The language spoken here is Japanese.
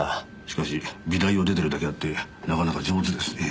しかし美大を出てるだけあってなかなか上手ですね。